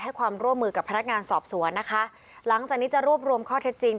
ให้ความร่วมมือกับพนักงานสอบสวนนะคะหลังจากนี้จะรวบรวมข้อเท็จจริง